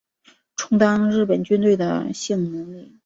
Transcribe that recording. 充当日本军队的性奴隶